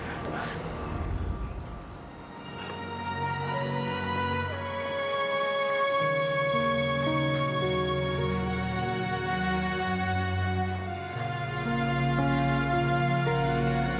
ya tuhan ini tak ada apa apa